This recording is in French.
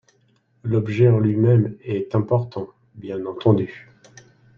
L’objet en lui-même est important, bien entendu.